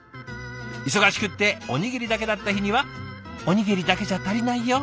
忙しくっておにぎりだけだった日には「おにぎりだけじゃたりないよ」。